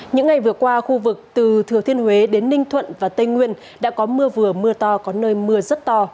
những ngày vừa qua khu vực từ thừa thiên huế đến ninh thuận và tây nguyên đã có mưa vừa mưa to có nơi mưa rất to